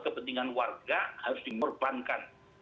kepentingan warga harus dimorbankan